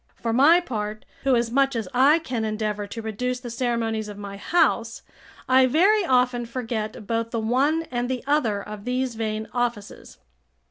For my part, who as much as I can endeavour to reduce the ceremonies of my house, I very often forget both the one and the other of these vain offices.